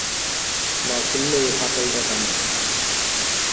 না খুললে এই হাতলটা টানবে।